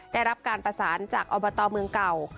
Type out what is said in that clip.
ได้รับการประสานจากอบตเมืองเก่า